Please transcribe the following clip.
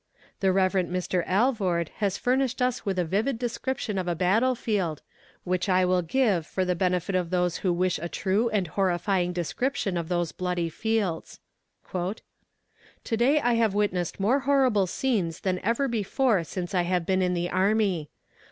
The Rev. Mr. Alvord has furnished us with a vivid description of a battle field, which I will give for the benefit of those who wish a true and horrifying description of those bloody fields: "To day I have witnessed more horrible scenes than ever before since I have been in the army.